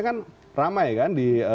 kan ramai kan di